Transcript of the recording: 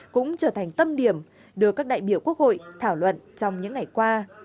cũng trở thành tâm điểm được các đại biểu quốc hội thảo luận trong những ngày qua